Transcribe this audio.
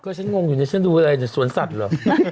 ก็ฉันงงอยู่เนี่ยฉันดูอะไรสวนสัตว์หรือ